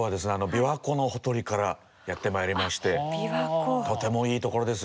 琵琶湖のほとりからやってまいりましてとてもいい所ですよ。